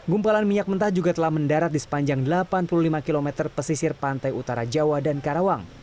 gumpalan minyak mentah juga telah mendarat di sepanjang delapan puluh lima km pesisir pantai utara jawa dan karawang